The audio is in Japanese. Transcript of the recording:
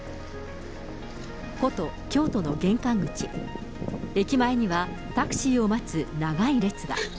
古都、京都の玄関口、駅前にはタクシーを待つ長い列が。